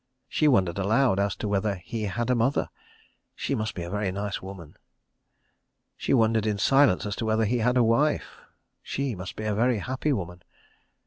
... She wondered aloud as to whether he had a mother—she must be a very nice woman. She wondered in silence as to whether he had a wife—she must be a very happy woman.